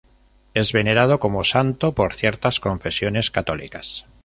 Es venerado como santo por ciertas confesiones católicas.